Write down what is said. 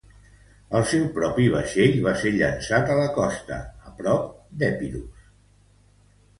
El seu propi vaixell va ser llançat a la costa, a prop d'Epirus.